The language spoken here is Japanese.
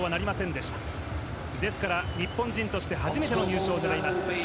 ですから日本人として初めての入賞を狙います。